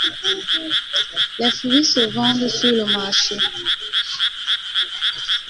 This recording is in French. Les fruits se vendent sur le marché.